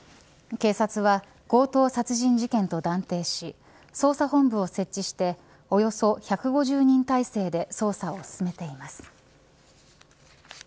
警察は強盗殺人事件と断定し捜査本部を設置しておよそ１５０人態勢で捜査を進めています。